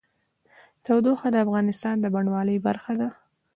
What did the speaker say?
تودوخه د افغانستان د بڼوالۍ برخه ده.